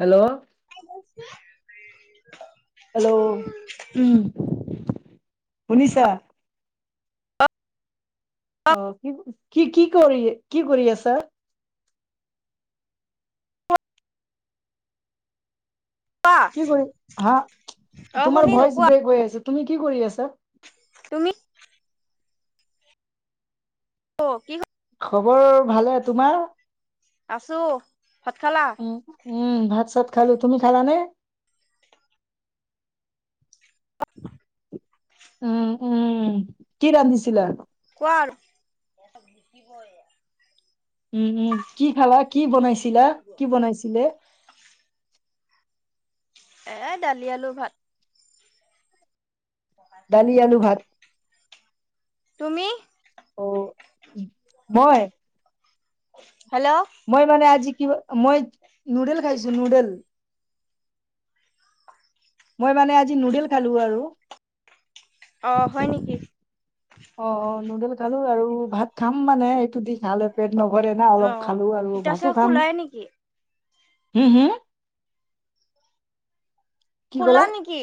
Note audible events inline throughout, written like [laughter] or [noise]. Hello! [inaudible] Hello! উম, শুনিছা? অ', কি-কি-কি-কৰি কি কৰি আছা? কোৱা কি কৰি হা, অ তোমাৰ শুনিলো ভইচ কোৱা ব্ৰেক হৈ আছে। তুমি কি কৰি আছা? তুমি? অ', কি হ খবৰ ভালে তোমাৰ? আছোঁ। ভাত খালা? উম, উম, ভাত চাত খালোঁ তুমি খালানে? উম, উম, কি ৰান্ধিছিলা? কোৱা আৰু? উম, উম, কি খালা কি বনাইছিলা? কি বনাইছিলে? এ, দালি আলু ভাত। দালি আলু ভাত তুমি? অ', মই হেল্ল'! মই মানে আজি কিবা মই নুডেল খাইছোঁ নুডেল। [inaudible] মই মানে আজি কি নুডেল খালোঁ আৰু। অ', হয় নেকি? অ', অ', নুডেল খালোঁ আৰু ভাত খাম মানে, এইটো দি খালে পেট নভৰে না অলপ খালো আৰু অ', [unintelligible] শুলাই নেকি? হো, হো? কি শুলা ক'লা নেকি?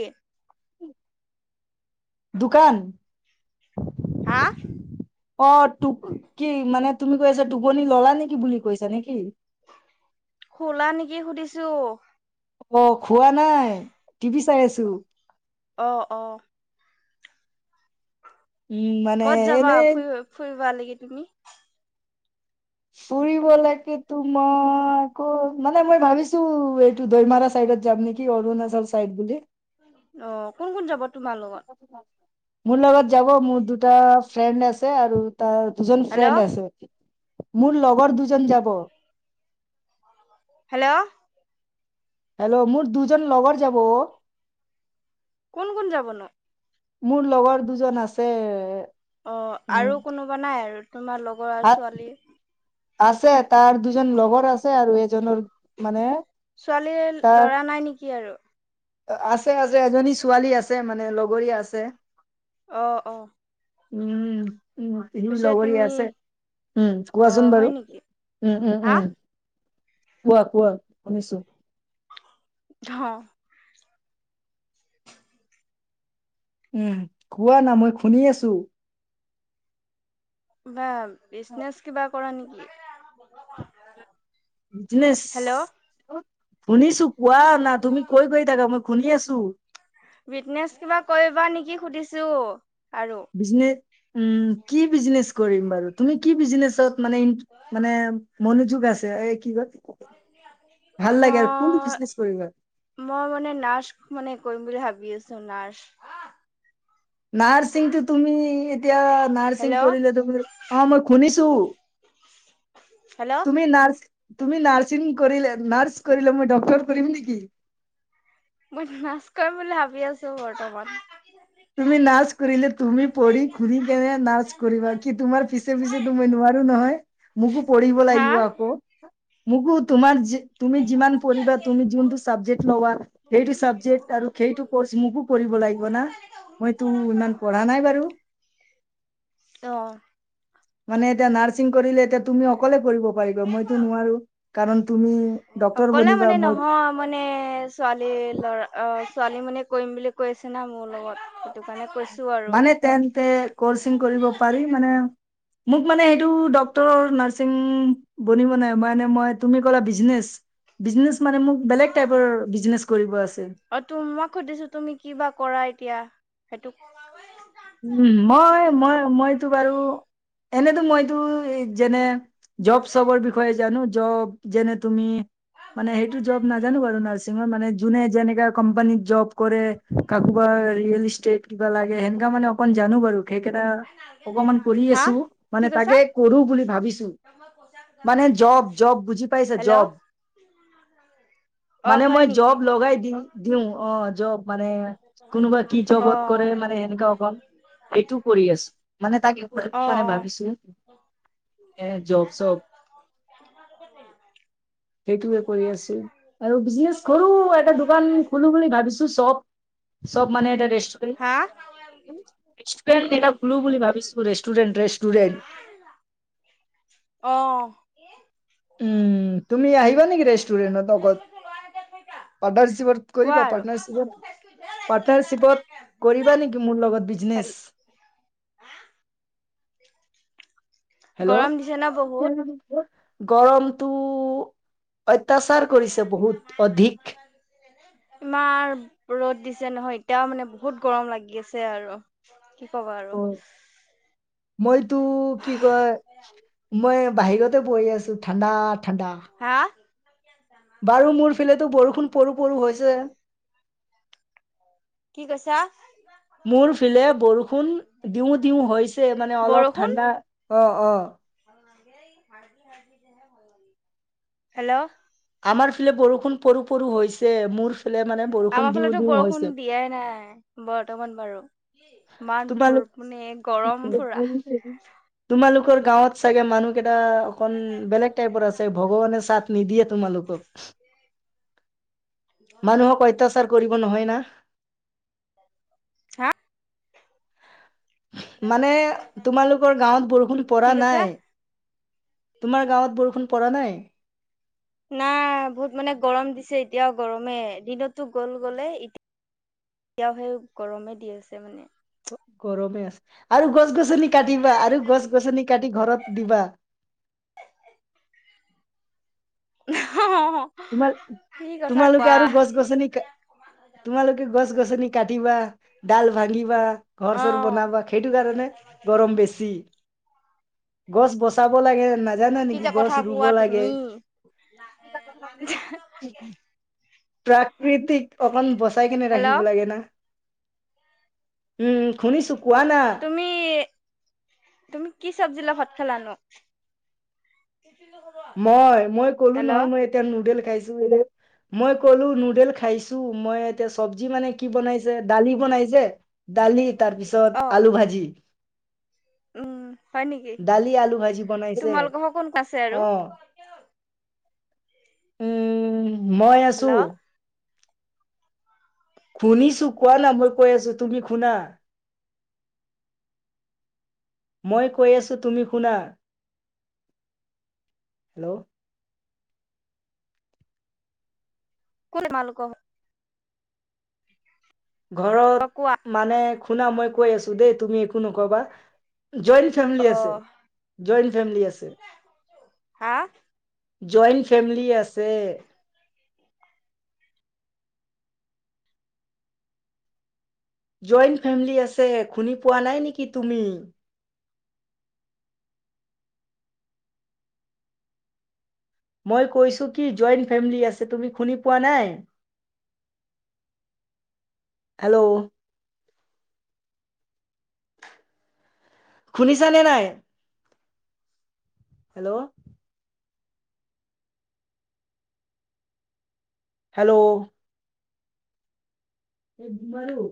দোকান? হা? অ', টোপ কি মানে তুমি কৈ আছা টোপনি ল'লা নেকি বুলি কৈছা নেকি? শুলা নেকি সুধিছোঁ। অ', খোৱা নাই টিভি চাই আছোঁ। অ', অ'। উম মানে ক'ত যাবা এনে ফুৰি-ফুৰিবা [unintelligible] তুমি? ফুৰিবলেকিতো মই ক'ত মানে মই ভাবিছোঁ এইটো দৈমাৰা চাইডত যাম নেকি কি অৰুণাচল চাইড বুলি! অ', কোন, কোন যাব তোমালোক? মোৰ লগত যাব মোৰ দুটা ফ্ৰেণ্ড আছে আৰু তাৰ দুজন হেল্ল' ফ্ৰেণ্ড আছে, মোৰ লগৰ দুজন যাব। হেল্ল'! হেল্ল'! মোৰ দুজন লগৰ যাব অ'। কোন, কোন যাবনো? মোৰ লগৰ দুজন আছে। অ' উম আৰু কোনোবা নাই আৰু তোমাৰ লগৰ আৰু ছোৱালী? আছে তাৰ দুজন লগৰ আছে আৰু এজনৰ মানে ছোৱালীৰ তাৰ ল'ৰা নাই নেকি আৰু? আছে আছে এজনী ছোৱালী আছে মানে লগৰীয়া আছে। অ', অ'। উম, উম। ইবোৰ পিছে লগৰীয়া তুমি আছে। উম, অ কোৱাচোন হয় বাৰু? নেকি উম, উম, হা উম। কোৱা কোৱা শুনিছো। অ'। [inaudible] উম, কোৱা না মই শুনি আছো। বা বিজনেচ কিবা কৰা নেকি? বিজনেচ? হেল্ল' শুনিছোঁ, কুৱা না তুমি কৈ গৈ থাকা মই শুনি আছোঁ। বিজনেছ কিবা কৰিবা নেকি সুধিছোঁ আৰু? বিজনে উম, কি বিজনেচ কৰিম বাৰু? তুমি কি বিজনেচত মানে মানে মনোযোগ আছে, এই কি কই মই বিজনেচ কৰিবা মই মানে নাচ মানে কৰিম বুলি ভাবি আছোঁ, নাৰ্চ। নাৰ্ছিংটো তুমি এতিয়া নাৰ্ছিং হেল্ল' কৰিলে তুমি, অ' মই শুনিছো। হেল্ল'। তুমি নাৰ তুমি নাৰ্চিং কৰিলে, নাৰ্চ কৰিলে মই ডক্টৰ কৰিমি নেকি? মই নাৰ্চ কৰিম বুলি ভাবি আছোঁ বৰ্তমান। তুমি নাচ কৰিলে তুমি পঢ়ি খুনি কেনে নাচ কৰিবা, কি তোমাৰ পিছে পিছে তুমি নোৱা নহয় মোকো পঢ়িব হা লাগিব। আকৌ মোকো তোমাৰ যি তুমি যিমান পঢ়িবা, তুমি যোনটো ছাবজেক্ট লবা সেইটো চাবজেক্ট আৰু সেইটো কৰ্চ মোকো কৰিব লাগিব না। মইতো ইমান পঢ়া নাই বাৰু। অ'। মানে এতিয়া নাৰ্ছিং কৰিলে এতিয়া তুমি অকলে কৰিব পাৰিবা, মইতো নোৱাৰো কাৰণ তুমি ডক্তৰ অকলে বনিবা মানে মই নহয় মানে ছোৱালী ল'ৰা অ' ছোৱালী মানে কৰিম বুলি কৈ আছে না মোৰ লগত সেইটো কাৰণে কৈছো আৰু। মানে তেন্তে কৰ্চিং কৰিব পাৰি মানে মোক মানে সেইটো ডক্টৰ নাৰ্চিং বনিবনে? মানে তুমি কলা বিজনেছ। বিজনেচ মানে মোক বেলেগ টাইপৰ বিজনেচ কৰিব আছে। অ' তো মই সুধিছো তুমি কিবা কৰা এতিয়া, সেইটোক উ, মই মই মইতো বাৰু এনেতো মইতো যেনে জব চবৰ বিষয়ে জানো, জব যেনে তুমি মানে সেইটো জব নাজানো বাৰু নাৰ্চ মানে যোনে যেনে কোম্পানীত জব কৰে, কোবাৰ ৰিয়েল ইষ্টেট কিবা লাগে সেনে মানে অকন জানো বাৰু সেইকেইটা অকমান কৰি হা আছোঁ কি মানে কৈছা তাকে কৰো বুলি ভাবিছোঁ। মানে জব, জব বুজি পাইছা হেল্ল' জব। অ মানে হয় মই নেকি জব লগাই দি দিওঁ অ' জব মানে কোনোবা কি অ জগত কৰে মানে এনেকা অক এইটো কৰি আছো। মান তাকে অ মানে অ ভাবিছোঁ। [unintelligible] সেইটোয়ে কৰি আছোঁ। আৰু বিজনেছ সৰু এটা দোকান খুলো বুলি ভাবিছোঁ, চব চব মানে এটা ৰেষ্টুৰেণ্ট। হা? ৰেষ্টুৰেণ্ট এটা খোলো বুলি ভাবিছোঁ। ৰেষ্টুৰেণ্ট ৰেষ্টুৰেণ্ট অ', উম্, তুমি আহি [unintelligible] পাটনাৰ চিপট কোৱা কৰিবা, আৰু পাটনাৰ চিপত কৰিবা নেকি? মোৰ লগত হেল বিজনেচ। গৰম দিছে ন বহুত হেল্ল' গৰমটো অত্যাচাৰ কৰিছে বহুত, অধিক। [inaudible] ইমান ৰ'দ দিছে নহয়, এতিয়াও মানে বহুত গৰম লাগি আছে আৰু কি ক'ব আৰু মইতো কি কয়। মই বাহিৰতে বহি আছোঁ, ঠাণ্ডা ঠাণ্ডা। হা। বাৰু মোৰ ফালেতো বৰষুণ পৰো পৰো হৈছে। কি কৈছা? মোৰ ফালে বৰষুণ দিওঁ দিওঁ হৈছে মানে অলপ বৰষুণ। ঠাণ্ডা অ অ হেল্ল' আমাৰ ফালে বৰষুণ পৰো পৰো হৈছে, মোৰ ফালে মানে আমাৰ বৰষুণ দিওঁ ফালেতো দিও বৰষুণ হৈছে। দিয়াই নাই, বৰ্তমান বাৰু ইমান তোমালোক মানে গৰম পুৰা। তোমালোকৰ গাঁৱত চাগে মানুহ কেইটা অকন বেলেগ টাইপৰ আছে, ভগৱানে চাট নিদিয়ে তোমালোকক। মানুহক অত্যাচাৰ কৰিব নহয় না হা। মানে তোমালোকৰ গাঁৱত বৰষুণ কি পৰা কৈছা নাই। তোমাৰ গাঁৱত বৰষুণ পৰা নাই। নাই, বহুত মানে গৰম দিছে, এতিয়াও গৰমে দিনতো গ'ল গ'লে। এতিয়া এতিয়াও সেই গৰমে দি আছে মানে। গৰমে আছে আৰু গছ-গছনি কাটিবা আৰু গছ-গছনি কাটি ঘৰত দিবা হহ তোমাৰ, তোমালোকে আৰু গছ গছনি তোমালোকে গছ-গছনি কাটিবা, ডাল ভাঙিবা। অ ঘৰ চৰ বনাবা, সেইটো কাৰণে গৰম বেছি। গছ বচাব লাগে নাজানা কি নেকি? যে গছ কথা ৰুব কোৱা লাগে। তুমি প্ৰাকৃতিক অকন বচাই কেনে হেল্ল' ৰাখিব লাগে না। উম শুনিছো কোৱা না তুমি তুমি কি চব্জি লগত ভাত খালানো? মই, মই কলো হেল্ল' নহয় মই এতিয়া নুডেল খাইছোঁ বুলি, এ মই ক'লো নুডেল খাইছোঁ মই। এতিয়া চব্জি মানে কি বনাইছে, দালি বনাইছে দালি তাৰ পিছত আলু ভাজি উম্, হয় নেকি? দালি আলু ভাজি বনাইছে তোমালোকৰ ঘৰত কোন আছে আৰু অ উম্, মই আছোঁ। হেল্ল' শুনিছোঁ, কোৱানা মই কৈ আছোঁ, তুমি শুনা। মই কৈ আছোঁ তুমি শুনা। হেল্ল'। [unintelligible] ঘৰত অ কোৱা মানে শুনা মই কৈ আছোঁ দেই, তুমি একো নকবা। জইন ফেমিলি অ আছে, জইন ফেমিলি আছে। হা জইন ফেমিলি আছে। জইন ফেমিলি আছে, শুনি পোৱা নাই নেকি তুমি। মই কৈছো কি জইন্ট ফেমিলি আছে, তুমি শুনি পোৱা নাই। হেল্ল' শুনিছা নে নাই। হেল্ল' হেল্ল' নোৱাৰো